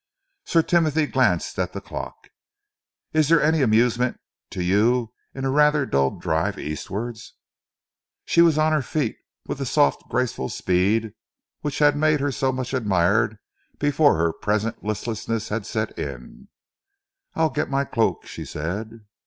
Sir Timothy glanced at the clock. "If there is any amusement to you in a rather dull drive eastwards " She was on her feet with the soft, graceful speed which had made her so much admired before her present listlessness had set in. "I'll get my cloak," she said.